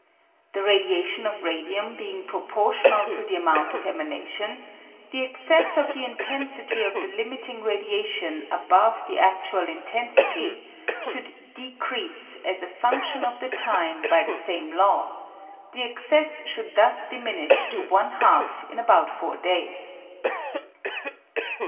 The radiation of radium being proportional to the amount of emanation, the excess of the intensity of the limiting radiation above the adtual intensity should decrease as a fundlion of the time by the same law ; the excess should thus diminish to one half in about four days.